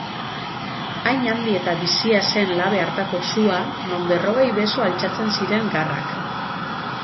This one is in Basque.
Hain handi eta bizia zen labe hartako sua, non berrogei beso altxatzen ziren garrak.